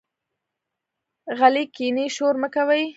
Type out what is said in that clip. غلي کېنئ، شور مۀ کوئ.